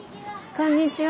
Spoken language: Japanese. こんにちは。